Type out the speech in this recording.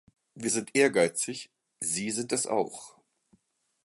Wir sind ehrgeizig, Sie sind es auch.